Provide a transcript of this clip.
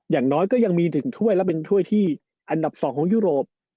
อย่างน้อยก็ยังมี๑ถ้วยและเป็นถ้วยที่อันดับ๒ของยุโรป